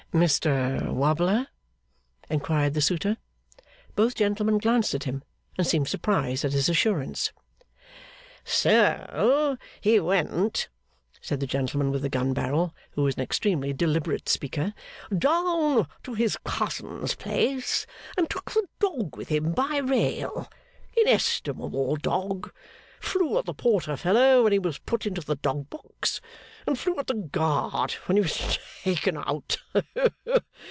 'Mr Wobbler?' inquired the suitor. Both gentlemen glanced at him, and seemed surprised at his assurance. 'So he went,' said the gentleman with the gun barrel, who was an extremely deliberate speaker, 'down to his cousin's place, and took the Dog with him by rail. Inestimable Dog. Flew at the porter fellow when he was put into the dog box, and flew at the guard when he was taken out.